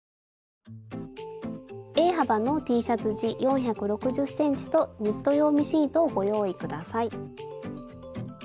Ａ幅のＴシャツ地４６０ｃｍとニット用ミシン糸をご用意下さい。